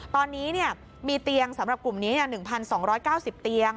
ตอนนี้มีเตียงสำหรับกลุ่มนี้๑๒๙๐เตียง